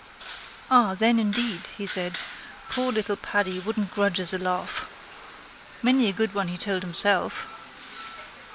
—Ah then indeed, he said, poor little Paddy wouldn't grudge us a laugh. Many a good one he told himself.